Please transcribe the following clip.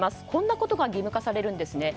こんなことが義務化されるんです。